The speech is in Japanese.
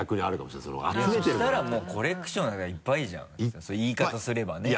そしたらもうコレクションなんかいっぱいじゃんその言い方すればね。